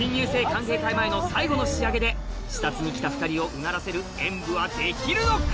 歓迎会前の最後の仕上げで視察に来た２人をうならせる演舞はできるのか？